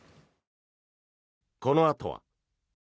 このあとは。